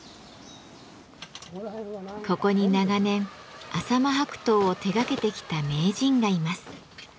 ここに長年浅間白桃を手がけてきた名人がいます。